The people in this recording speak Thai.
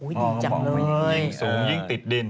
ยิ่งสูงยิ่งติดดิน